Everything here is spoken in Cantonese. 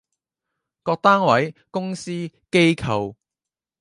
各單位，公司，機構